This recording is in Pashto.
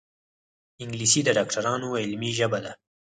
انګلیسي د ډاکټرانو علمي ژبه ده